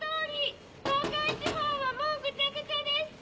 ・東海地方はもうぐちゃぐちゃです。